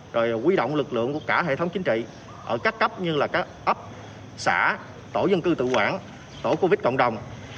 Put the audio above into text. rồi quy động lực lượng của cả hệ thống chính trị ở các cấp như là các ấp xã tổ dân cư tự quản tổ covid cộng đồng